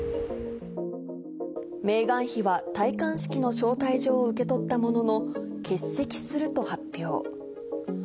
メーガン妃は戴冠式の招待状を受け取ったものの、欠席すると発表。